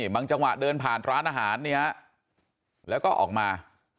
จังหวะเดินผ่านร้านอาหารแล้วก็ออกมา